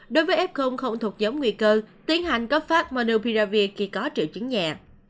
đối với f không thuộc nhóm nguy cơ tiến hành có phát monopiravir khi có triệu chứng nhẹ